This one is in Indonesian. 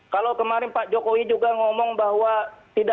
kalau kemarin pak jokowi juga ngomong bahwa